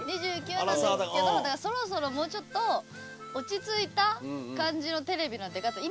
２９なんですけどそろそろもうちょっと落ち着いた感じのテレビの出方。